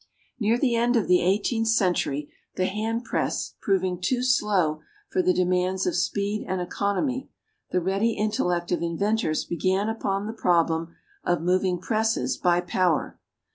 Near the end of the eighteenth century, the hand press proving too slow for the demands of speed and economy, the ready intellect of inventors began upon the problem of moving presses by power.